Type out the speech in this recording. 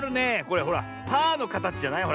これほらパーのかたちじゃない？